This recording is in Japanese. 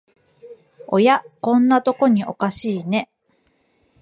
おや、こんなとこにおかしいね